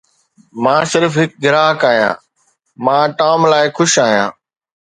مان صرف هڪ گراهڪ آهيان مان ٽام لاء خوش آهيان